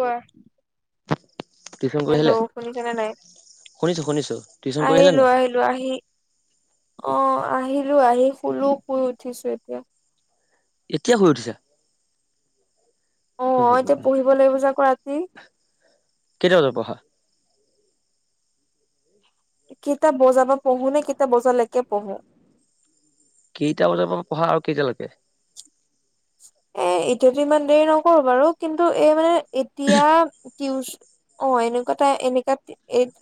কোৱা? টিউচন কৰি আহিলে? হেল্ল' শুনিছে না নাই। শুনিছো শুনিছো টিউচন কৰি আহিলে আহিলো নাই? আহিলো আহি। অ 'আহিলো আহি শুলো শুই উঠিছো এতিয়া এতিয়া শুই উঠিছা। অ হে 'এতিয়া ভগৱান পঢ়িব লাগিব যে আকৌ ৰাতি কেইটা বজাৰ পৰা পঢ়া? কেইটা বজাপা পঢ়োনে কিতাপ বজালৈকে পঢ়োঁ কেইটা বজাৰ পৰা পঢ়া আৰু কেইটালৈকে। এ এতিয়াতো ইমান দেৰি নকৰো বাৰু কিন্তু এই মানে এতিয়া। টিউচন অ' এনেকুৱাই এনেকা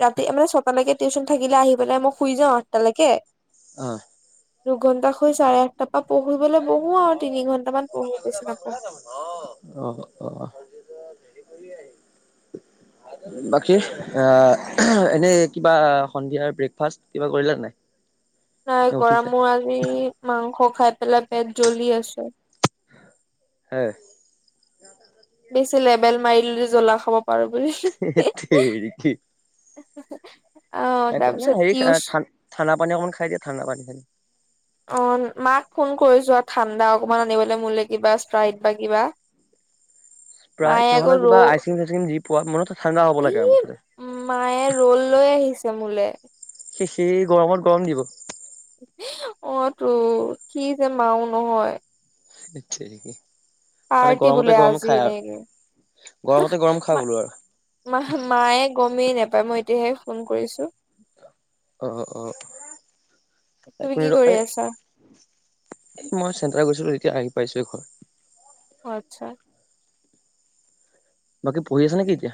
ৰাতি মানে ছটাালৈকে টিউশন থাকিলে আহি পেলাই মই শুই। যাওঁ আঠটালৈকে। হয়। দুঘন্টাশুই চাৰে আঠটাৰ পৰা পঢ়িবলৈ বহো আৰু তিনি ঘণ্টামান। অ -অ [unintelligible] অ' বাকী এ এনেই কিবা সন্ধিয়া ব্ৰেকফাষ্ট কিবা কৰিলে নাই। নাই নে কৰা উঠিছা? মো আজি মাংস খাই। পেলাই পেট জ্বলি আছে। হয় বেছি লেবেল মাৰি দিলোঁ জ্বলা খাব পাৰোঁ বুলি। হি হি হেত হি অ তেৰিকি একো নাই 'তাৰপিছত হেৰি পিউচ ঠান ঠাণ্ডা পানী অকনমান খাই দিয়া। ঠাণ্ডা পানী খাই অ' মাক ফোন কৰিছো ঠাণ্ডা। অকমান আনিবলে মোলে কিবা ইচপ্ৰাইট বা কিবা মায়ে ইচপ্ৰাইত নহ'লে কিবা আইচ ক্ৰীম চাইচক্ৰীম যি পোৱা। ম এই উম মায়ে ৰোল লৈ আহিছে মোলে। হে সেই গৰমত গৰম দিব। অ' তো কি যে মাও নহয়। সেইট তেৰিকি মানে পাৰ্টি গৰমতে বুলে গৰম আজি খাই আৰু এনেকে হ গৰমতে গৰম খা মা, বোলো আৰু। মা মায়ে গমেই নাপায় মই এতিয়াহে ফোন কৰিছোঁ। অ অ, এক তুমি কি মিনিট ৰ কৰি এই আছা এ মই চেণ্টাৰ গৈছিলো এতিয়া আহি পাইছোহি ঘৰত অ আতচ্ছা। বাকী পঢ়ি আছা নেকি এতিয়া?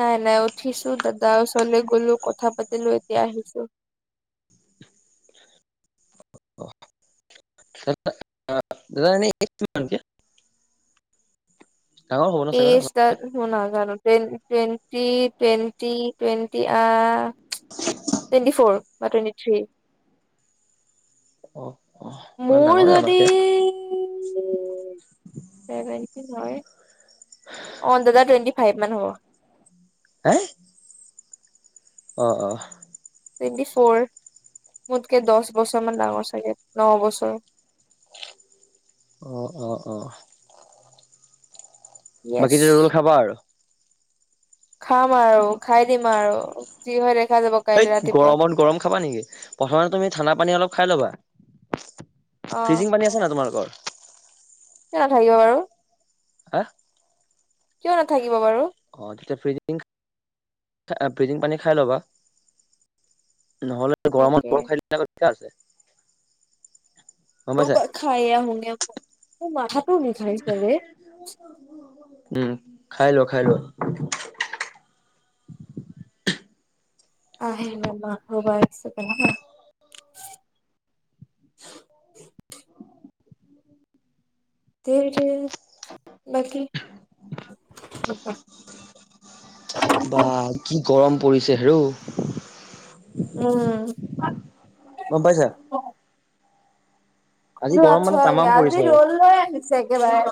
নাই নাই উঠিছো দাদা ওচৰলৈ গলো কথা পাতিলো এতিয়া আহিছো। [inaudible] দাদণমান [unintelligible] এইজ তাৰ মই নাজানো। Ten twenty twenty twenty ah, উমচ twenty four. বা টুৱেন্টি থ্ৰী। অ' অ' ইমান মোৰ ডাঙৰে যদি। আমাতকে ছেভেনটি হয়। অহ, দাদা টুৱেন্টি ফাইভ মান হ'ব। আই অহ, অহ। টুৱেণ্টি ফৰ মোতকে দছ বছৰ মান ডাঙৰ চাগে ন বছৰ। অহ অহ অহ বাকী এতিয়া ৰোল খাবা আৰু। খাম আৰু খাই দিম আৰু যি হয় দেখ সেইত গৰমত গৰম খাবা নেকি প্ৰথমে তুমি ঠাণ্ডা পানী অলপ খাই লবা। অ ফ্ৰিজিং পানী আছে নাই তোমালোকৰ। কিয় নাথাকিব বাৰু। হাহ। কিয় নাথাকিব বাৰু। অহ, তেতিয়া ফ্ৰিজিং আ ফ্ৰিজিং পানী খাই লবা। নহ'লে অকে গৰমত বৰ [unintelligible] আছে। গম পাইছা? খায়ে আহোগে মোৰ মাথাটো বিষাইছে ৰে। উম, খাই ল খাই ল। আহিল [unintelligible] ন ম হ'বাইছকনে [inaudible] তেৰটেৰল বাকি? [unintelligible] কা [unintelligible] বা কি গৰম পৰিছে হেৰ। উম, গম পাইছা। আজি ক গৰম মানে আথোৱা তামাম পৰিছে আজি আৰু ৰ'ল লৈ আহিছে একেবাৰে।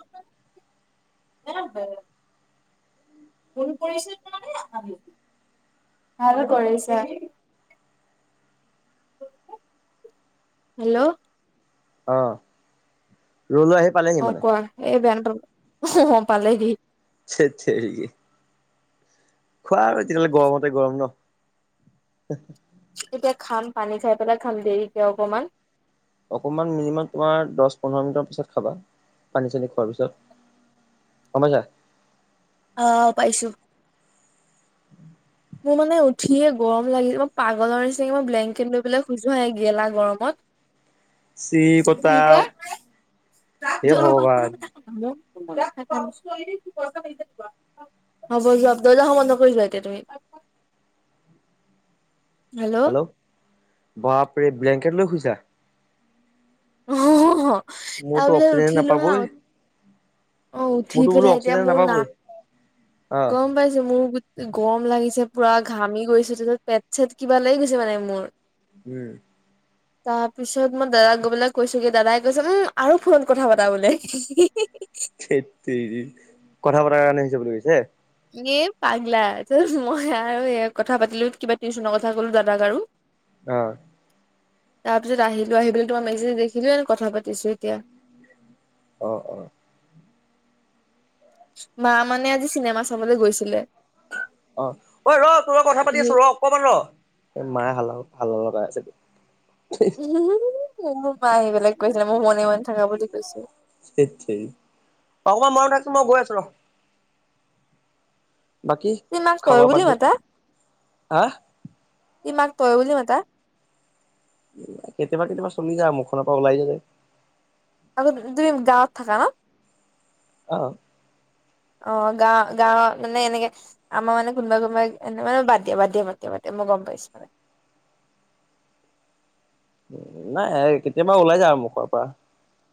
অব ফোন কৰিছে তে ভাল কৰিছে। হেল্ল', অহ ', অহ ', কোৱা এই বেয়া নাপাবা অহ ', পালে হি। ধেত তেৰিকা। খোৱা আৰু এতিয়াললে গৰমতে গৰম ন। এতিয়া খাম পানী খাই পেলাই খাম দেৰিকে অকমান। অকণমান মিনিমাম তোমাৰ দহ পোন্ধৰ মিনিটৰ পিছত খাবা। পানী চানী খোৱাৰ পিছত। গমপাইছা অহ ', পাইছো। মোৰ মানে উঠিয়ে গৰম লাগিল। মই পাগলৰ নিচিনাকে মই ব্লেংকেট লৈ পেলাই খোইছো হা এই গেলা গৰমত। চি কি কটাউ। কয় [unintelligible] হ'ব যোৱা দৰ্জাখন বন্ধ কৰি যোৱা এতিয়া তুমি। উ হেল্ল', বাপৰে ব্লেংকেট লৈ শুইছা। অহ ', মোৰতো তাৰপিছত অক্সিজেন উঠিলো নাপাবই হা অ' উঠি মোৰতো বোলো পঠা এতিয়া অক্সিজেন মোৰ নাপাবই নাক, অ গম পাইছো মোৰ গৰম লাগিছে পুৰা ঘামি গৈছো তাৰত পেট চেট কিবা লাগি গৈছে মানে মোৰ উ'ম। তাৰ পিছত মই দাদাক গৈ পেলাই কৈছো কি দাদাই কৈছে উম আৰু ফোনত কথা পাতা বোলে। সেই কথা বতাৰ কাৰণে হৈছে বুলি কৈছে। এ! পাগলা মই আৰু এই কথা পাতিলো কিবা টেনশ্যনৰ কথা ক'লো দাদাক আৰু। অ' তাৰ পিছত আহিলো আহি তোমাৰ মেগাজিন দেখিলো কথা পাতিছো এতিয়া। অ', অ'। মা মানে আজি চিনেমা চাবলৈ গৈছিলে। অ' ঐ ৰ তোৰ ৰ কথা পাতি আছো ৰ অকমান ৰ মায়ে হাল্লা। পাই ছেতো। [unintelligible] মা আহি পেলাই কৈছে মোৰ মনে মনে থাকা বুলি কৈছে। ধেৎ তেৰি অকমান মৰম থাকচোন মই গৈ আছো ৰ। বাকী তুমি মাক খাব তয় বুলি পাৰি মাতা? হা তুমি মাক তয় বুলি মতা? কেতিয়াবা- কেতিয়াবা চলি যায় মুখনৰ পৰা ওলাই যায়। আকৌ তুমি গাঁৱত থাকা ন। অ'। অ গাঁ গাৱত মানে এনেকে আমাৰ মানে কোনোবা কোনোবাই এ! মানে বাদ, দিয়া বাদ, দিয়া মানে দিয়া, বাদ দিয়া। মই গ'ম পাইছো মানে। উ'ম নাই কেতিয়াবা ওলাই যায় আৰু মুখৰ পৰা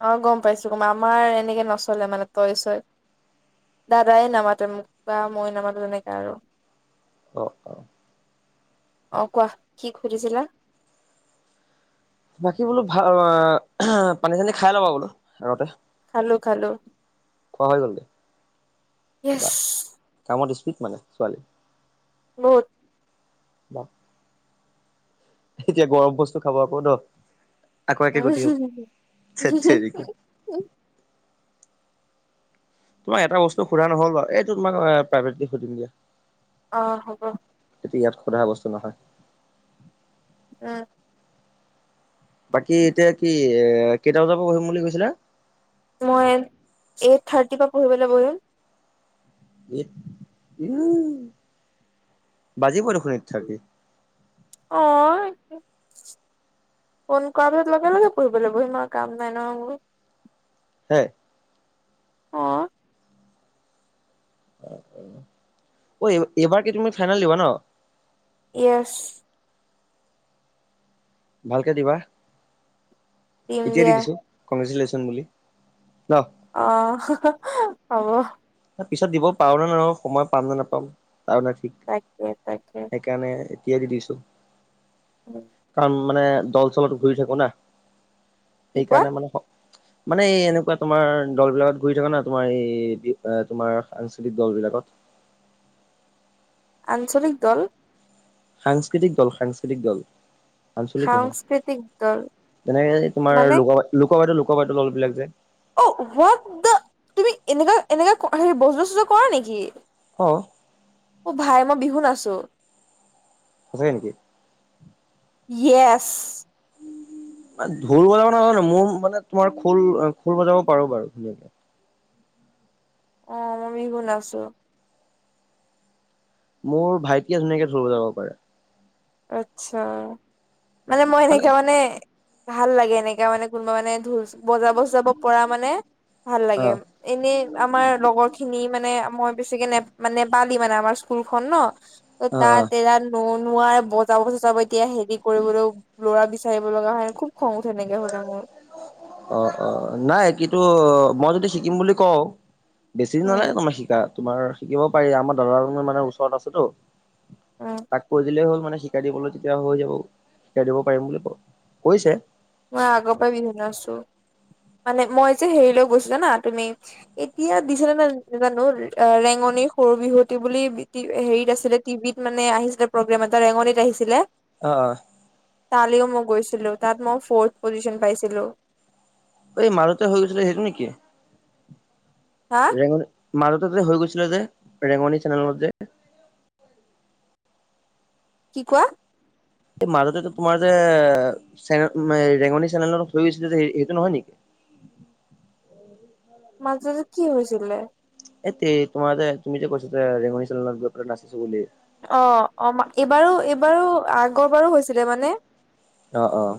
অ' গম পাইছো গম আমাৰ এনেকে নচলে মানে তই, চই। দাদাই নামাতে মোক বা মই নামাতে তেনেকে আৰু। অ' অ'। অ' কোৱা কি সুধিছিলা? বাকী বোলো ভাল পানী চানী খাই ল'বা বোলো আগতে খালো খালো খোৱা হৈ গ'ল দে য়েছ বা কামত ঠিক মানে ছোৱালী। বহুত। [unintelligible] এতিয়া গৰম বস্তু খাব আকৌ ন। আকৌ একে গতি হব ধেত তেৰিকি। তোমাক এটা বস্তু সোধা নহল বাৰু এইটো তোমাক প্ৰাইভেট সুধিম দিয়া। অ' হ'ব। ইয়াত সোধা বস্তু নহয়। অ'। বাকী এতিয়া কি এ কেইটা বজাৰ পৰা বহিম বুলি কৈছিলা? মই এইট থাৰ্টিৰ পৰা পঢ়িবলৈ বহিম। এ! এয়াই। বাজিবয়ে দেখোন এইট থাৰ্টি। অঁ'। ফোন কৰ পিছত লগে লগে ফুৰিব ল বহি মই কাম নাই নহয়বোৰ। হে। অ ঔ! এইবাৰ কি তুমি ফাইনেল দিবা ন? য়েচ। ভালকে দিবা দিম এতিয়া দি দিয়া দিছোঁ কংগ্ৰেছুলেশ্যন বুলি। ন অ' হব। পিছত দিব পাৰো নে নোৱাৰো সময় পাম নে নাপাম তাৰো নাই ঠিক তাকে তাকে সেইকাৰণে। এতিয়া দি দিছোঁ। উম। মানে দল চলত ঘূৰি থাকো না কি কোৱা সেইকাৰণে মানে মানে এই এনেকুৱা তোমাৰ দল বিলাকত ঘূৰি থকা না তোমাৰ এই। এ তোমাৰ আঞ্চলিক দলবিলাকত আঞ্চলিক দল। সাংস্কৃতিক, দল সাংস্কৃতিক দল। আঞ্চলিক নহয় সাংস্কৃতিক দল তেনেকে তোমাৰ ল লোক বাইদেউ লোক বাইদউ অলপবিলাক যে। অঁ হোৱাদ দা তুমি, এনেকা এনেকা হে ব বজোৱা চজোৱা কৰা নেকি অ অঁ ভাই মই বিহু নাছো। সচাঁকৈ নেকি। য়েচ্। ঢোল বজাব নহয়, নয় মোৰ মানে তোমাৰ খোল খোল বজাব পাৰো, বাৰু ধুনীয়াকে অঁ মমি শুনা আছো। মোৰ ভাইটিয়ে ধুনীয়াকে ধোল বযাব পাৰে। আত্ছা মানে মই সেইটোকাৰণে মানে। ভাল লাগে এনেকা মানে কোনোবা মানে ঢোল বজা বজাব পৰা মানে ভাল অ লাগে, এনে আমাৰ লগৰ খিনি মানে মই বেছিকে নে মানে পালি মানে আমাৰ স্কুল খন ন ত অ তাত এয়া ন নোৱাৰ বজাব চজাব এতিয়া হেৰি কৰিবলৈ লৰা বিচাৰিব লগা হয় খুব। খং উঠে এনেকে হলে মোৰ অঁ অঁ নাই কিন্তু। মই যদি শিকিম বুলি কওঁ, বেছি দিন নালাগে উম তোমাৰ শিকাত তোমাৰ শিকিবওঁ পাৰি আমাৰ দাদা মানে ওচৰত আছেতো উম তাক কৈ দিলেই হ'ল মানে শিকাই দিবলৈ তেতিয়া হৈ যাব শিকাই দিব পাৰিম বুলি ক কৈছে। মই আগৰ পৰা বিহু নাছো। মানে মই যে হেৰিলৈ গৈছিলো না তুমি এতিয়া দিছে ন জানো ৰেঙ সৰু বিহুতি বুলি হেৰিত আছিলে টিভিত মানে আহিছিলে প্ৰগ্ৰেম এটা ৰেঙনিত আহিছিলে। আহঁ তালিও মই গৈছিলো তাত মই ফৰ্থ পজিশচন পাইছিলোঁ। এই মাৰুতে হৈ গৈছিল, সেইটো নেকি হা ৰেঙ মাজতে যে হৈ গৈছিলে যে ৰেঙনি চেনেলত যে কি কোৱা? এই মাজতে তোমাৰ যে চেনে ৰেঙনি চেনেলত হৈ গৈছিলে যে সেইটো নহয় নেকি? [inaudible] মাজতে কি হৈছিলে? এ তে তোমাৰ যে তুমি যে কৈছে ৰেঙনিচেনেলত নাছিছিলো বুলি। অ অ এইবাৰো এইবাৰো আগৰ বাৰো হৈছিলে মানে অ অঁ।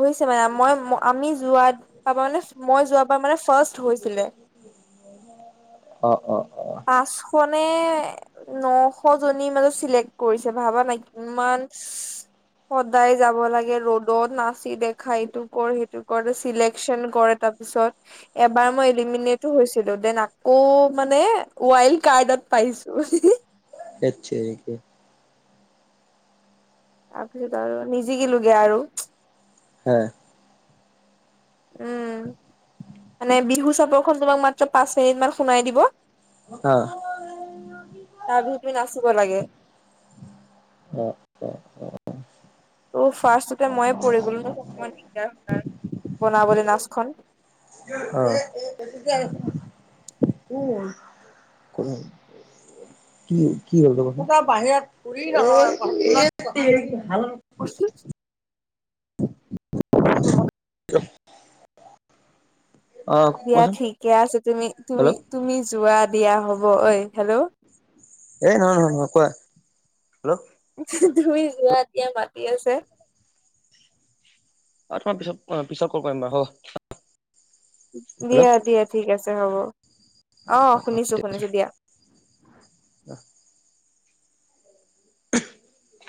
হৈছে মানে মই আমি যোৱা মানে মই যোৱাৰ পৰা মানে ফাৰ্ষ্ট হৈছিলে, অ অ অ পাঁচ শ নে নশ জনী মাজত চিলেক্ট কৰিছে ভাবা না কিমান সদায় যাব লাগে ৰ'দত না নাচি দেখা এইটো কৰ সেইটো কৰ চিলেকচন কৰ তাৰ পিছত এবাৰ মই এলিমিনেটো ছিলো দেন আকৌ মানে ৱাইল্ড কাৰ্ডত পাইছো [unintelligible] [unintelligible] [unintelligible] তাৰপিছত আৰু নিজিকিলোগে আৰু [unintelligible] হে। উম মানে বিহু চাপৰখন তোমাক মাত্ৰ পাঁচ মিনিট মান শুনাই দিব আহ [unintelligible] [unintelligible] নাচিব লাগে। অহ-অহ। ত ফাৰ্ষ্টতে মইে পৰী গ'লো ন, ত অকণমান দিগদাৰ হৈ। বনৱলে নাচখন। অহ। কি কি হ'ল? ত এটা বাহিৰত ফৰি [unintelligible] হেল্ল'? অ দিয়া কোৱাচোন ঠিকে আছে হেল্ল' তুমি-তুমি-তুমি যোৱা দিয়া হব। ঐ হেল্ল'? এ নহয়-নহয়-নহয় কোৱা, হেল্ল'? তুমি যোৱা দিয়া মতি আছে। অহ, তোমাৰ পিছত-পিছত কল কৰিম বাৰু হব। হেল্ল' দিয়া-দিয়া ঠিক আছে হ'ব। অহ, শুনিছো-শুনিছো দিয়া। [unintelligible]